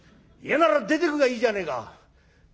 嫌なら出ていくがいいじゃねえか！